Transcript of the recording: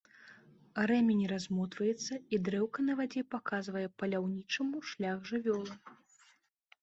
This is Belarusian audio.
Рэмень размотваецца, і дрэўка на вадзе паказвае паляўнічаму шлях жывёлы.